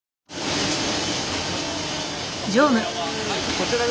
こちらは？